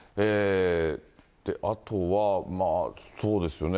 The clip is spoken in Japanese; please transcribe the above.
あとはまあ、そうですよね、